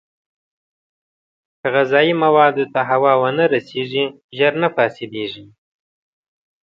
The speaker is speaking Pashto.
که غذايي موادو ته هوا ونه رسېږي، ژر نه فاسېدېږي.